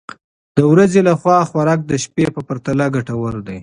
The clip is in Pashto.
د ورځې لخوا خوراک د شپې په پرتله ګټور دی.